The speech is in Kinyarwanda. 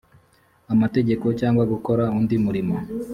amategeko cyangwa gukora undi murimo